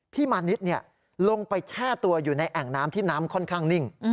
มานิดลงไปแช่ตัวอยู่ในแอ่งน้ำที่น้ำค่อนข้างนิ่ง